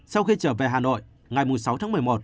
sau khi trở về hà nội ngày sáu tháng một mươi một